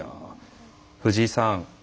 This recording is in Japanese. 藤井さん